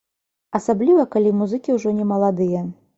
Асабліва, калі музыкі ўжо не маладыя.